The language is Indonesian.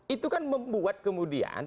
itu kan membuat kemudian